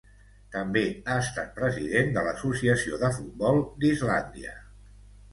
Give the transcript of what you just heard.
També ha estat president de l'Associació de Futbol d'Islàndia.